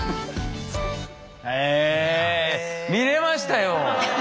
へえ見れましたよ！